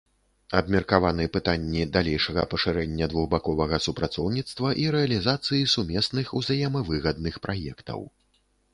Абмеркаваны пытанні далейшага пашырэння двухбаковага супрацоўніцтва і рэалізацыі сумесных узаемавыгадных праектаў.